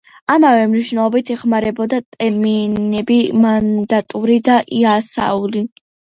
ამავე მნიშვნელობით იხმარებოდა ტერმინები მანდატური და იასაული.